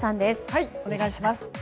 はい、お願いします。